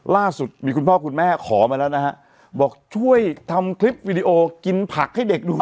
ล่าสุดมีคุณพ่อคุณแม่ขอมาแล้วนะฮะบอกช่วยทำคลิปวิดีโอกินผักให้เด็กดู